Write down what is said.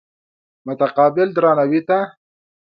متقابل درناوي ته.